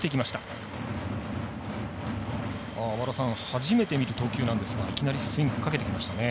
初めて見る投球なんですがいきなりスイングかけてきましたね。